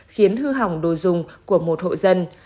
khiến hư hỏng đồ dùng của một hộ dân